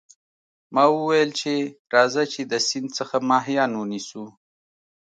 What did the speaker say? ما وویل چې راځه چې د سیند څخه ماهیان ونیسو.